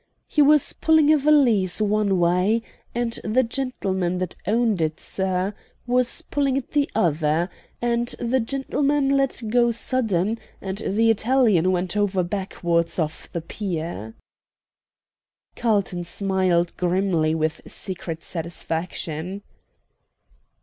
"He was pulling a valise one way, and the gentleman that owned it, sir, was pulling it the other, and the gentleman let go sudden, and the Italian went over backwards off the pier." Carlton smiled grimly with secret satisfaction.